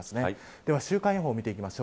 では週間予報です。